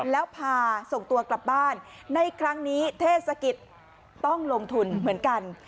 แล้วพาส่งตัวกลับบ้านในครั้งนี้เทศกิจต้องลงทุนเหมือนกัน